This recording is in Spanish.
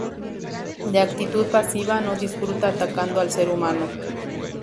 De actitud pasiva, no disfruta atacando al ser humano.